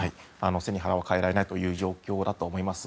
背に腹は代えられない状況だと思います。